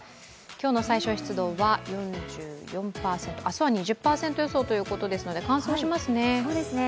今日の最小湿度は４４％明日は２０％予想ということですので乾燥しますね。